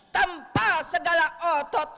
tempa segala otot